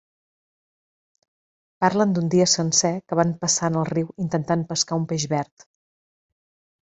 Parlen d'un dia sencer que van passar en el riu intentant pescar un peix verd.